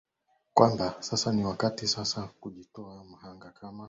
kwamba sasa ni wakati sasa wa kujitoa mhanga kama